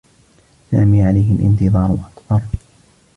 سامي عليه الانتظار أكثر.